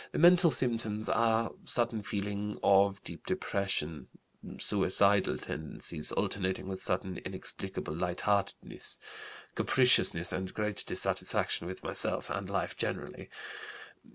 "The mental symptoms are: sudden feeling of deep depression, suicidal tendencies, alternating with sudden inexplicable lightheartedness. Capriciousness and great dissatisfaction with myself and life generally.